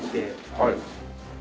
はい。